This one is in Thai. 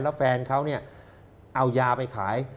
แล้วแฟนเขาเอายาไปขาย